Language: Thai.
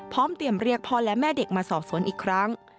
เตรียมเรียกพ่อและแม่เด็กมาสอบสวนอีกครั้ง